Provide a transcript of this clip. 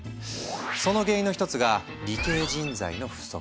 その原因の一つが理系人材の不足。